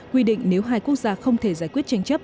quy định nếu hai quốc gia không thể giải quyết tranh chấp